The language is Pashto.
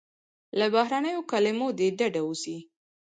له بهرنیو کلیمو دې ډډه وسي.